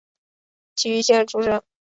崎玉县出身。